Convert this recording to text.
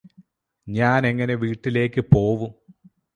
ഞാനെങ്ങനെ വീട്ടിലേക്ക് പോവും